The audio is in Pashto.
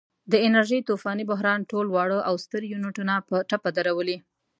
د انرژۍ طوفاني بحران ټول واړه او ستر یونټونه په ټپه درولي.